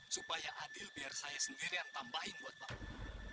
supaya adil biar saya sendirian tambahin buat panggung